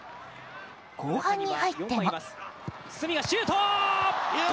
後半に入っても。